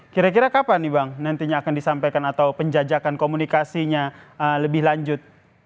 kira kira kapan nih bang nantinya akan disampaikan atau penjajakan komunikasinya lebih lanjut